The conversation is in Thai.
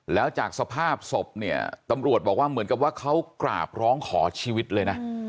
แล้วจากสภาพศพเนี่ยตำรวจบอกว่าเหมือนกับว่าเขากราบร้องขอชีวิตเลยนะ